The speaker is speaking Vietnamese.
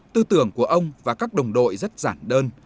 tư tưởng của ông và các đồng đội rất giản đơn